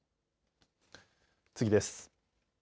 次です。